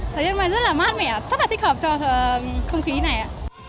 thời tiết hôm nay rất là mát mẻ rất là thích hợp cho không khí này ạ